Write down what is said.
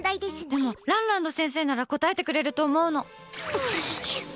でもランランド先生なら答えてくれると思うの。